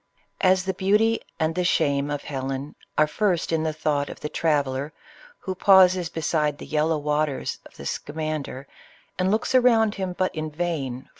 As the beauty and the shame of Helen are first in the thought of the traveller who pauses beside the yellow waters of the Scamander, and looks around him, but in vain, for.